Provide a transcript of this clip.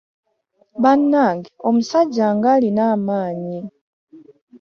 Bannange omusajja ng'alina amaanyi.